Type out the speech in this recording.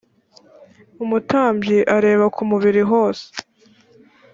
umutambyi areba ku mubiri hose